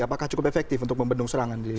apakah cukup efektif untuk membendung serangan di lini